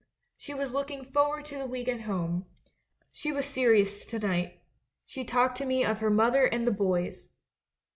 She was looking forward to the week at home. She was serious to night ; she talked to me of her mother and the 'boys.'